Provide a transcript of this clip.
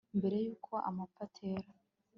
Mbere yuko amapfa atera